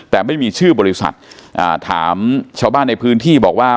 แต่ไม่มีชื่อบริษัทอ่าถามชาวบ้านในพื้นที่บอกว่า